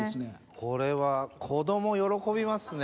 これは子供喜びますね。